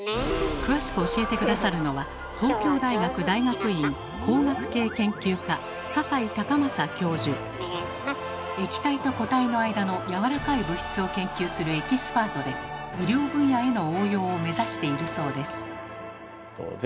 詳しく教えて下さるのは液体と固体の間のやわらかい物質を研究するエキスパートで医療分野への応用を目指しているそうです。